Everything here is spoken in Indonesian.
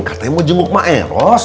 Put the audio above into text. katanya mau jenguk mak eros